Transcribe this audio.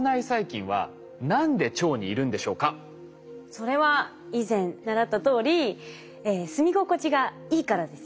それは以前習ったとおり住み心地がいいからですよね。